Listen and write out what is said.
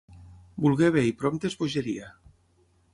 Voler bé i prompte és bogeria.